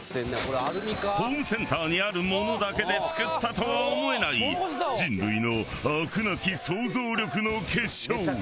ホームセンターにあるものだけで作ったとは思えない人類のあくなき想像力の結晶。